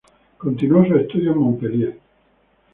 Continuó sus estudios en Montpellier.